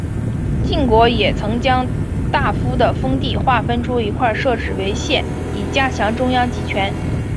晋国也曾将大夫的封地划分出一块设置为县以加强中央集权。